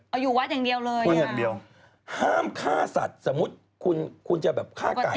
เอาอยู่วัดอย่างเดียวเลยหรือเปล่าห้ามฆ่าสัตว์สมมติคุณจะฆ่าไก่